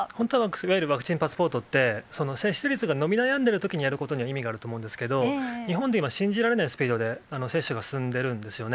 いわゆるワクチンパスポートって、接種率が伸び悩んでいるときに、やることに意味があると思うんですけれども、日本って今、信じられないスピードで接種が進んでいるんですよね。